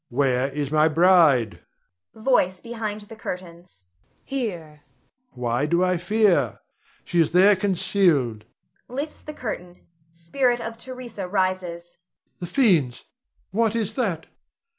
Where is my bride? Voice [behind the curtains]. Here Rod. Why do I fear? She is there concealed [lifts the curtain; spirit of Theresa rises]. The fiends! what is that?